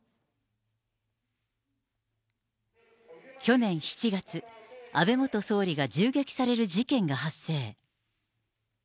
去年７月、安倍元総理が銃撃される事件が発生。